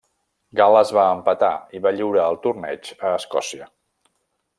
Gal·les va empatar i va lliurar el Torneig a Escòcia.